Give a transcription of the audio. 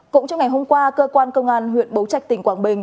cũng trong ngày hôm qua cơ quan công an huyện bố trạch tỉnh quảng bình